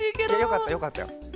よかったよかったよ。